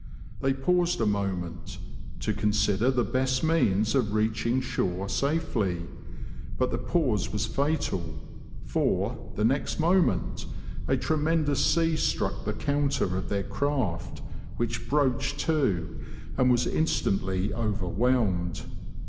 They paused a moment, to consider the best means of reaching shore safely ; but the pause was fatal, for, the next moment, a tremendous sea struck the counter of their craft, which broached to, and was instantly overwhelmed.